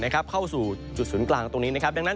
เข้าสู่จุดสูญกลางตรงนี้